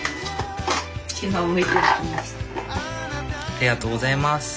ありがとうございます。